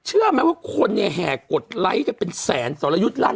เชื่อไหมว่าคนเนี่ยแห่กดไลท์ด้วยเป็นแสนต่อแล้วยุธรั่ล